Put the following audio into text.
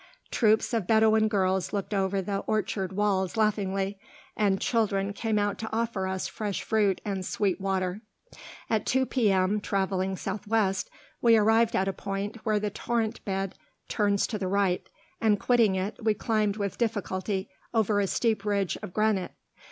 Troops of Bedouin girls looked over the orchard walls laughingly, and children came out to offer us fresh fruit and sweet water. At 2 P.M., traveling southwest, we arrived at a point where the torrent bed turns to the right, and quitting it, we climbed with difficulty over a steep ridge of granite.